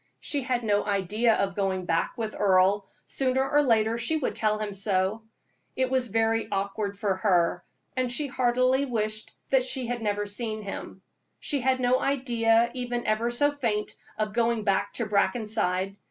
She had no idea of going back with Earle sooner or later she would tell him so. It was very awkward for her, and she heartily wished she had never seen him. She had no idea, even ever so faint, of going back to Brackenside.